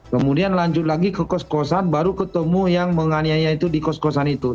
kemudian lanjut lagi ke kos kosan baru ketemu yang menganiaya itu di kos kosan itu